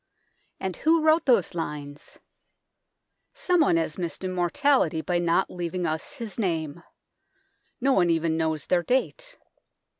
And who wrote those lines ? Someone has missed immortality by not leaving us his name. No one even knows their date.